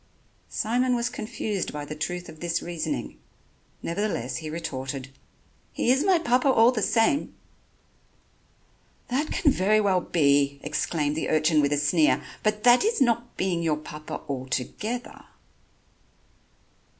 Simon was confused by the truth of this reasoning, nevertheless he retorted: "He is my Papa all the same." "That can very well be," exclaimed the urchin with a sneer, "but that is not being your Papa altogether."